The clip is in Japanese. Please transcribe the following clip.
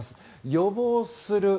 予防する。